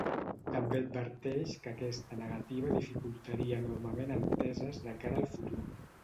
També adverteix que aquesta negativa dificultaria enormement enteses de cara al futur.